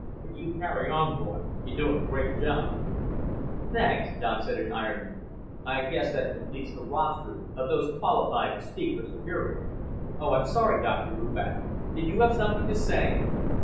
But you carry on, boy. Y' doin' a great job." "Thanks," Don said in irony. "I guess that completes the roster of those qualified to speak for Superior. Oh, I'm sorry, Dr. Rubach. Did you have something to say?"